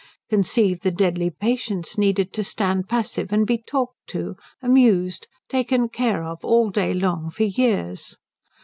Conceive the deadly patience needed to stand passive and be talked to, amused, taken care of, all day long for years.